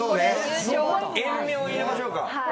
塩味を入れましょうか。